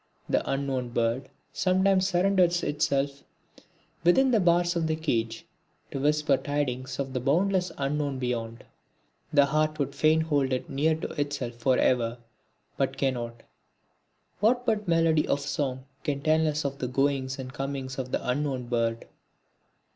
The unknown bird sometimes surrenders itself within the bars of the cage to whisper tidings of the bondless unknown beyond. The heart would fain hold it near to itself for ever, but cannot. What but the melody of song can tell us of the goings and comings of the unknown bird?